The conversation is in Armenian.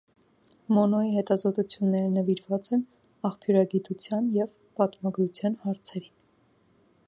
Մոնոյի հետազոտությունները նվիրված են աղբյուրագիտության և պատմագրության հարցերին։